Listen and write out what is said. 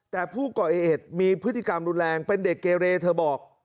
แต่ผู้ก่อเหตุมีพฤติกรรมรุนแรงเป็นเด็กเกเรเธอบอก